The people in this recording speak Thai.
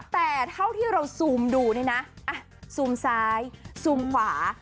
แต่เท่าที่เราซูมดูเนี่ยนะซูมซ้ายซูมขวา